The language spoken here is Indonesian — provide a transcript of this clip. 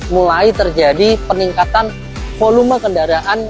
mulai terjadi peningkatan volume kendaraan